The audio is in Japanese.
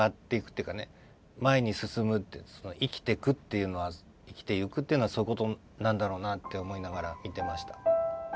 前に進むって生きてくっていうのは生きてゆくっていうのはそういうことなんだろうなって思いながら見てました。